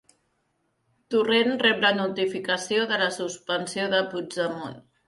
Torrent rep la notificació de la suspensió de Puigdemont